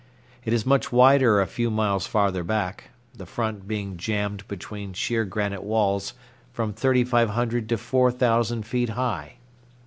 It is much wider a few miles farther back, the front being jammed between sheer granite walls from thirty five hundred to four thousand feet high.